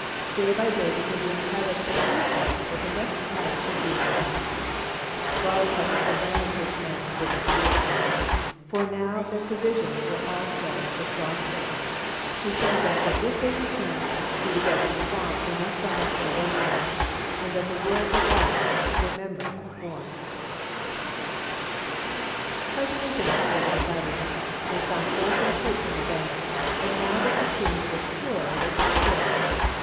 Day by day the Indian pilots assured them that the next night should be the last. Raleigh had to harangue his men to prevent mutiny, for now their provisions also were exhausted. He told them that if they returned through that deadly swamp they must die of starvation, and that the world would laugh their memory to scorn. [Illustration: GUIANA.] Presently things grew a little better. They found wholesome fruits on the banks, and now that the streams were purer they caught fish.